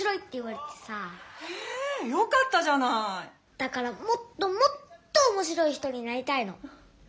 だからもっともっとおもしろい人になりたいの。